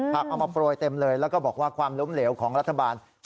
เอามาโปรยเต็มเลยแล้วก็บอกว่าความล้มเหลวของรัฐบาล